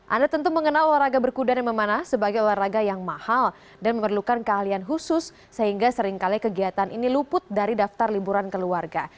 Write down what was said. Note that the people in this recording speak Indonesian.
anda tentu mengenal olahraga berkuda dan memanah sebagai olahraga yang mahal dan memerlukan keahlian khusus sehingga seringkali kegiatan ini luput dari daftar liburan keluarga